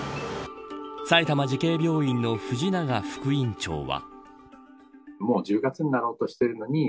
埼玉慈恵病院の藤永副院長は。